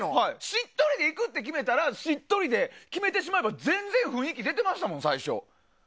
しっとりでいくって決めたらしっとりで決めてしまえば全然雰囲気出てましたもん、最初。